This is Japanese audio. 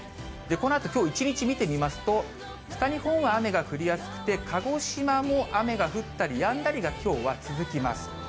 このあときょう一日見てみますと、北日本は雨が降りやすくて、鹿児島も雨が降ったりやんだりがきょうは続きます。